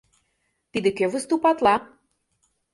— Тиде кӧ выступатла?